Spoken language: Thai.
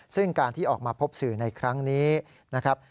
ซึ่งการที่ออกมาพบสื่อในครั้งนี้นะครับ